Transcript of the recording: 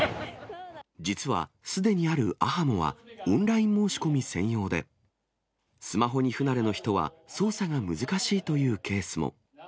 実は、すでにあるアハモは、オンライン申し込み専用で、スマホに不慣れの人は操作が難しいというケースも。